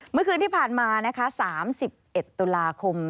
เมื่อคืนที่ผ่านมาติดต่อการเวลา๓๑ตุลาคม